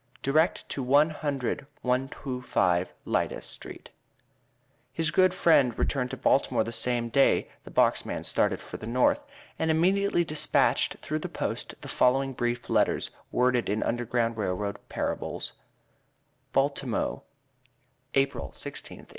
derect to one hundred 125 lydus. stt His good friend returned to Baltimore the same day the box man started for the North, and immediately dispatched through the post the following brief letter, worded in Underground Rail Road parables: BALTIMO APRIL 16, 1859.